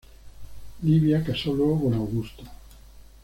Livia casó luego con Augusto.